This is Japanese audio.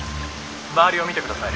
周りを見てください。